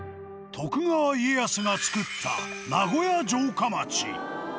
徳川家康がつくった名古屋城下町。